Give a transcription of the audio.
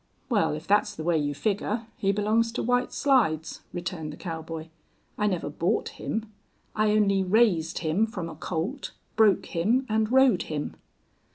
"Well, if that's the way you figure he belongs to White Slides," returned the cowboy. "I never bought him. I only raised him from a colt, broke him, and rode him."